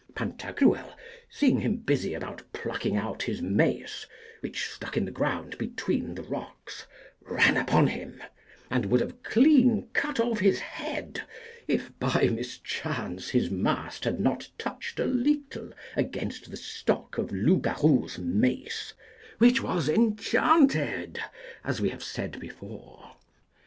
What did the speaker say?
Pantagruel, seeing him busy about plucking out his mace, which stuck in the ground between the rocks, ran upon him, and would have clean cut off his head, if by mischance his mast had not touched a little against the stock of Loupgarou's mace, which was enchanted, as we have said before.